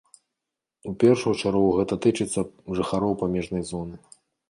У першую чаргу гэта тычыцца жыхароў памежнай зоны.